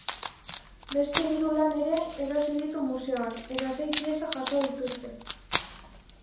Beste hiru lan ere erosi ditu museoak, eta sei pieza jaso dituzte.